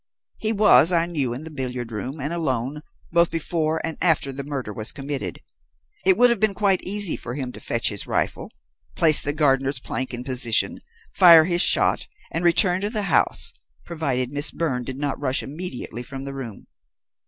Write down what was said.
He was, I knew, in the billiard room, and alone, both before and after the murder was committed. It would have been quite easy for him to fetch his rifle, place the gardener's plank in position, fire his shot and return to the house, provided Miss Byrne did not rush immediately from the room.